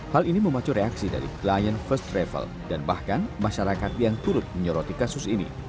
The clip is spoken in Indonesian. hal ini memacu reaksi dari klien first travel dan bahkan masyarakat yang turut menyoroti kasus ini